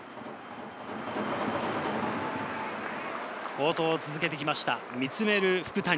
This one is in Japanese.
好投を続けてきました、見つめる福谷。